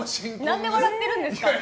何で笑ってるんですか？